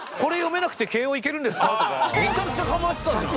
めちゃくちゃかましてたじゃん！